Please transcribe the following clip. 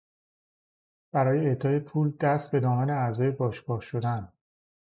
برای اعطای پول دست به دامن اعضای باشگاه شدن